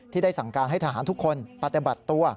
ได้สั่งการให้ทหารทุกคนปฏิบัติตัว